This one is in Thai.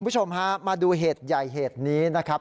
คุณผู้ชมฮะมาดูเหตุใหญ่เหตุนี้นะครับ